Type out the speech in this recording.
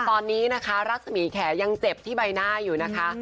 ตอนนี้นะคะรัศมีแขยังเจ็บที่ใบหน้าอยู่นะคะ